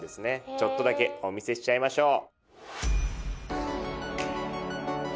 ちょっとだけお見せしちゃいましょう。